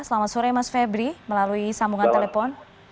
selamat sore mas febri melalui sambungan telepon